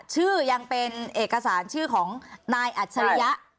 ชื่อยังเป็นเอกสารชื่อของนายอัจฉริยะ